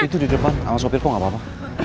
itu di depan sopir kok gak apa apa